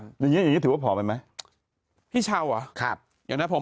อย่างเงี้ยอย่างเงี้ยถือว่าผอมมันมั้ยพี่เช้าอ่ะครับอย่างนั้นผม